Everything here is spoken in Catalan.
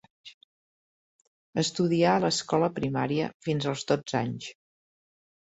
Estudià a l'escola primària fins als dotze anys.